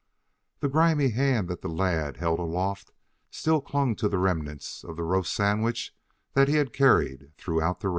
The grimy hand that the lad had held aloft still clung to the remnants of the roast sandwich that he had carried throughout race.